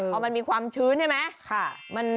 พอมันมีความชื้นใช่ไหม